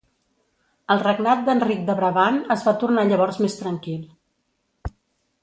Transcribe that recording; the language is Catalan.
El regnat d'Enric de Brabant es va tornar llavors més tranquil.